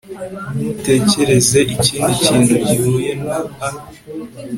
ntutekereze ikindi kintu gihuye na a